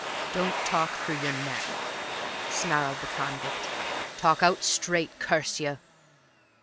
"Don't talk through yer neck," snarled the convict. "Talk out straight, curse you!"